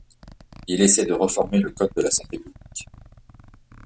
Il essaie de réformer le code de la santé publique.